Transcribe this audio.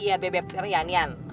iya bebeb pianian